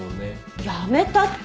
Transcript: やめたって。